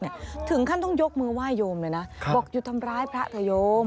มาด้วยในรถถึงขั้นต้องยกมือไหว้โยมเลยนะบอกหยุดทำร้ายพระทะโยม